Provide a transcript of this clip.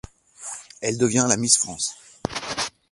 Elle devient la Miss France.